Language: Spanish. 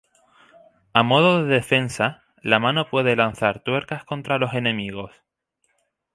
A modo de defensa, la mano puede lanzar tuercas contra los enemigos.